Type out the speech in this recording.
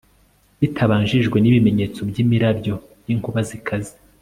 bitabanjirijwe n'ibimenyetso by'imirabyo y'inkuba zikaze